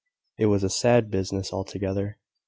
It was a sad business altogether.